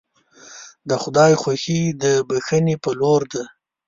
د خدای خوښي د بښنې په لور ده.